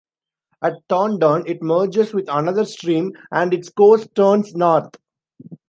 At Thorndon it merges with another stream and its course turns north.